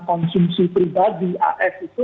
konsumsi pribadi as itu